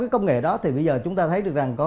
công nghệ đó thì bây giờ chúng ta thấy được rằng có